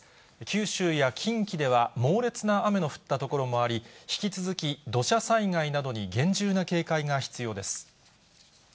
九州や近畿では、猛烈な雨の降った所もあり、引き続き土砂災害などに厳重な警戒が必要です。